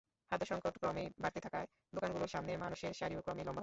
খাদ্যসংকট ক্রমেই বাড়তে থাকায় দোকানগুলোর সামনে মানুষের সারিও ক্রমেই লম্বা হচ্ছে।